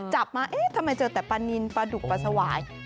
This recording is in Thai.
จับมาเอ๊ะทำไมเจอแต่ปลานินปลาดุกปลาสวาย